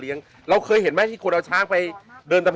ชื่องนี้ชื่องนี้ชื่องนี้ชื่องนี้ชื่องนี้ชื่องนี้